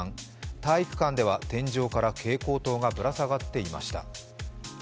体育館では天井から蛍光灯がぶら下がっていました。